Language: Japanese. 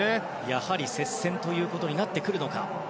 やはり接戦ということになってくるのか。